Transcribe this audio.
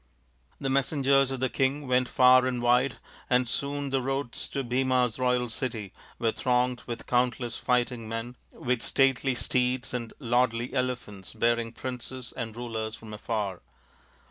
The messengers of the king went far and wide, and soon the roads to Bhima's royal city were thronged with countless fighting men, with stately steeds and lordly elephants bearing princes and rulers from afar.